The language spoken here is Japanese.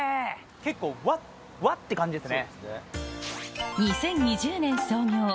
結構和和って感じですね。